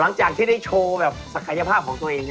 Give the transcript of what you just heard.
หลังจากที่ได้โชว์แบบศักยภาพของตัวเอง